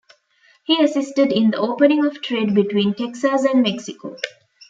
He assisted in the opening of trade between Texas and Mexico.